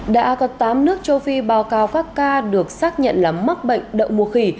đã có tám nước châu phi báo cáo các ca được xác nhận là mắc bệnh đậu mùa khỉ